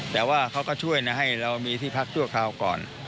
แต่ว่าเขาก็ช่วยนะให้เรามีที่พักชั่วคราวก่อน